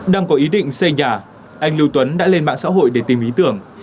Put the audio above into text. đang có ý định xây nhà anh lưu tuấn đã lên mạng xã hội để tìm ý tưởng